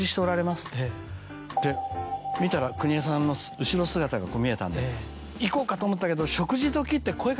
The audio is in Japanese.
見たら邦衛さんの後ろ姿が見えたんで行こうかと思ったけど。